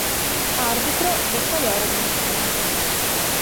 Arbitro: Boccadoro di Milano.